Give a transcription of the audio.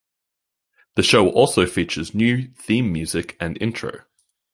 The show also features new theme music and Intro.